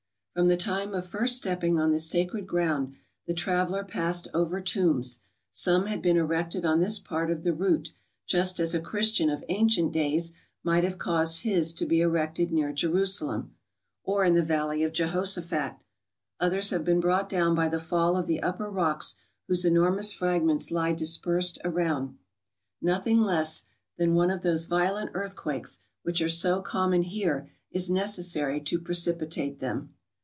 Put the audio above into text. From the time of first stepping on this sacred ground the traveller passed over tombs: some had been erected on this part of the route, just as a Christian of ancient days might have caused his to be erected near Jerusalem, or in the valley of Jehoshaphat; others have been brought down by the fall of the upper rocks, whose enormous fragments lie dispersed around. Nothing less than one of those violent earthquakes, which are so common here, is necessary to precipitate them.